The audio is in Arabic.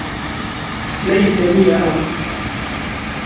ليس لي أخ.